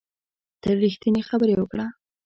تل ریښتینې خبرې وکړه